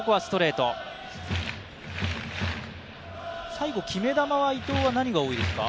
最後、決め球は伊藤は何が多いですか？